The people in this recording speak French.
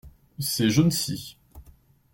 Ces jaunes-ci.